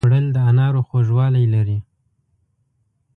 خوړل د انارو خوږوالی لري